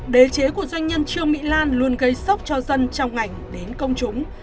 đề chế của doanh nhân chư mỹ lan luôn gây sốc cho dân trong ngành đến công chúng